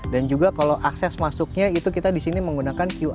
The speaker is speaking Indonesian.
dan juga kalau akses masuknya itu kita di sini menggunakan qr code